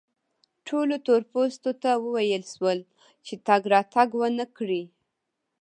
ټولو تور پوستو ته وویل شول چې تګ راتګ و نه کړي.